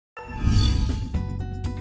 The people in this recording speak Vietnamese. để bao nhiêu lúc mà chết